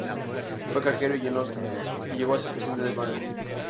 Fue cajero y llegó a ser presidente del banco.